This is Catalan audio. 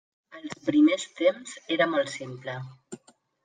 Als primers temps era molt simple.